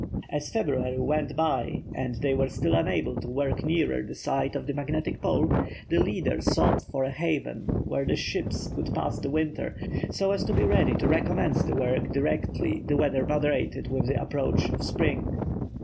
As February went by and they were still unable to work nearer the site of the magnetic pole, the leader sought for a haven where the ships could pass the winter, so as to be ready to recommence the work directly the weather moderated with the approach of spring.